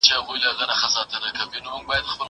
زه اجازه لرم چي ليک ولولم!!